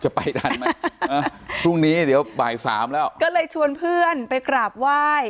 ไปทันไหมพรุ่งนี้เดี๋ยวบ่ายสามแล้วก็เลยชวนเพื่อนไปกราบไหว้